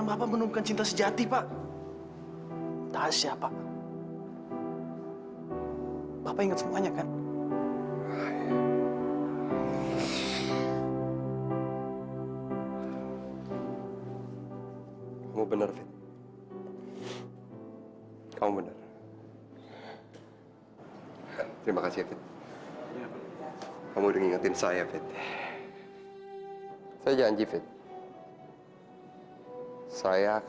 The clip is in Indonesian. mama memaafkan saya pak